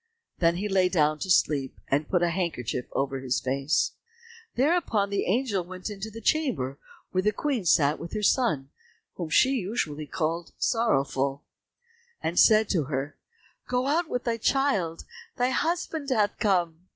Then he lay down to sleep, and put a handkerchief over his face. Thereupon the angel went into the chamber where the Queen sat with her son, whom she usually called "Sorrowful," and said to her, "Go out with thy child, thy husband hath come."